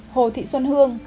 hồ thị xuân hương